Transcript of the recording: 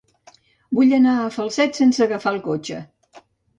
Vull anar a Falset sense agafar el cotxe.